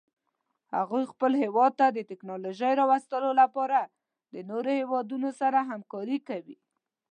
هغوی خپل هیواد ته د تکنالوژۍ راوستلو لپاره د نورو هیوادونو سره همکاري کوي